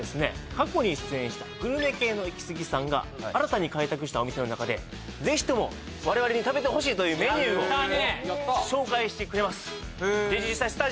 過去に出演したグルメ系のイキスギさんが新たに開拓したお店の中でぜひとも我々に食べてほしいというメニューを紹介してくれますで実際に・ああやった！